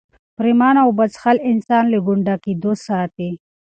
پرېمانه اوبه څښل انسان له ګونډه کېدو ساتي.